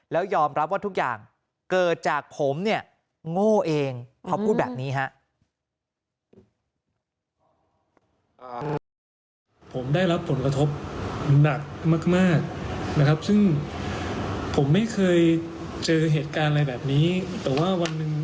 แล้วยอมรับว่าทุกอย่างเกิดจากผมเนี่ยโง่เองเขาพูดแบบนี้ฮะ